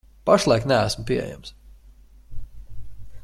Pašlaik neesmu pieejams.